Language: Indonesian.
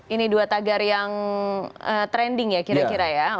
ini yang trending ya kira kira ya